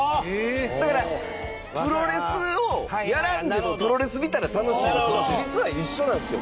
だから、プロレスをやらんでもプロレス見たら楽しいのと実は一緒なんですよ。